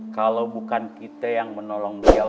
kalau bukan kita yang menolong beliau